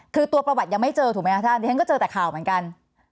คือตัวประวัติยังไม่เจอถูกไหมคะท่านดิฉันก็เจอแต่ข่าวเหมือนกัน